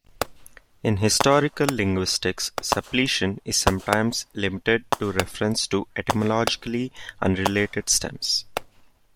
In historical linguistics "suppletion" is sometimes limited to reference to etymologically unrelated stems.